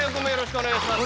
お願いします。